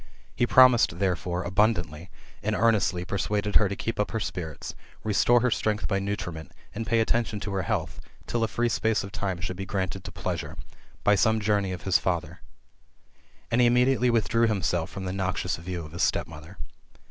He promised, therefore, abundantly, and earnestly persuaded her to keep up her spirits, restore her strength by nutriment, and pay attention to her health, till a free space of time should be granted to pleasure, by some journey of his father ; and he immediately withdrew himself from the noxious view of his stepmother.